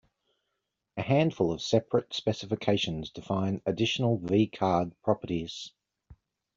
A handful of separate specifications define additional vCard properties.